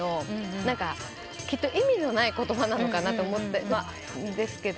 きっと意味のない言葉なのかなと思ってたんですけど。